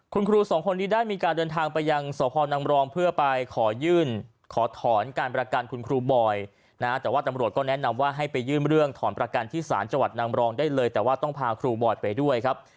คุณครูสองคนนี้ได้มีการเดินทางไปยังสพนังรองเพื่อไปขอยื่นขอถอนการประกันคุณครูบอยนะแต่ว่าตำรวจก็แนะนำว่าให้ไปยื่นเรื่องถอนประกันที่ศาลจังหวัดนางรองได้เลยแต่ว่าต้องพาครูบอยไปด้วยครับ